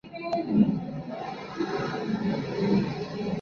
Tras esta exposición de la tesis, comienza la línea principal del argumento.